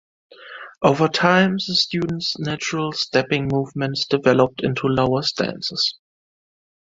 Over time, the student's natural stepping movements develop into lower stances.